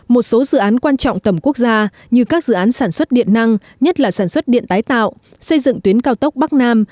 một số dự án quan trọng tầm quốc gia như các dự án sản xuất điện năng nhất là sản xuất điện tái tạo xây dựng tuyến cao tốc bắc nam